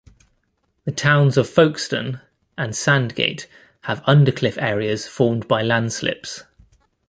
The towns of Folkestone and Sandgate have undercliff areas formed by landslips.